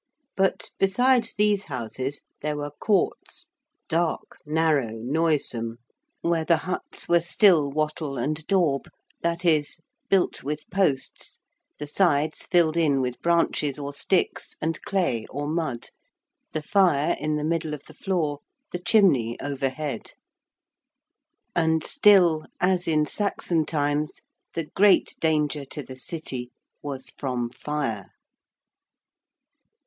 But, besides these houses, there were courts dark, narrow, noisome, where the huts were still 'wattle and daub,' that is, built with posts, the sides filled in with branches or sticks and clay or mud, the fire in the middle of the floor, the chimney overhead. And still, as in Saxon times, the great danger to the City was from fire.